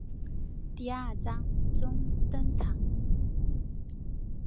第二章中登场。